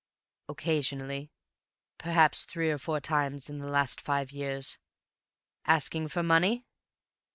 "Occasionally. Perhaps three or four times in the last five years." "Asking for money?"